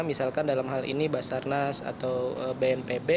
misalkan dalam hal ini basarnas atau bnpb